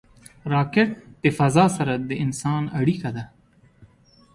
راکټ د فضا سره د انسان اړیکه ده